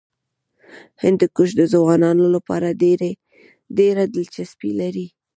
هندوکش د ځوانانو لپاره ډېره دلچسپي لري.